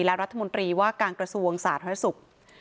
และรัฐมนตรีว่ากลางกระทรวงศาสตร์ธรรมยาศุกร์